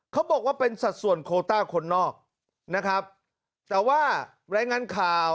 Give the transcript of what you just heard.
เขาบอกว่าเป็นสัดส่วนโคต้าคนนอกนะครับแต่ว่ารายงานข่าว